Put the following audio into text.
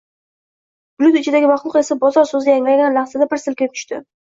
Bulut ichidagi maxluq esa “bozor” so‘zi yangragan lahzada bir silkinib tushdi.